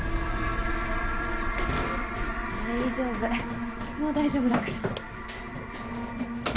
大丈夫もう大丈夫だから。